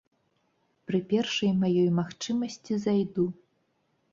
Пры першай маёй магчымасці зайду.